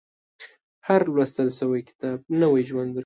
• هر لوستل شوی کتاب، نوی ژوند درکوي.